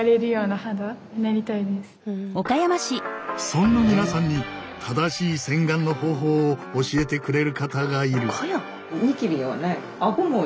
そんな皆さんに正しい洗顔の方法を教えてくれる方がいる。